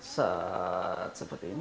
set seperti ini